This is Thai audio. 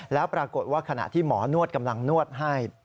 แล้วปรากฏว่าขณะที่หมอนวดกำลังนวดให้